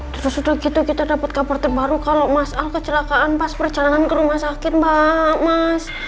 terus udah gitu kita dapet kabar terbaru kalau mas al kecelakaan pas perjalanan ke rumah sakit mbak mas